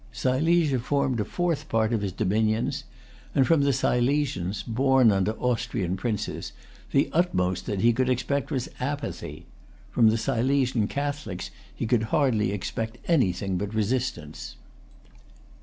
Silesia formed a fourth part of his dominions; and from the Silesians, born under Austrian princes, the utmost that he could expect was apathy. From the Silesian Catholics he could hardly expect anything but resistance.